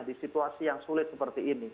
di situasi yang sulit seperti ini